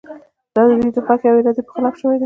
دا د دوی د خوښې او ارادې په خلاف شوې ده.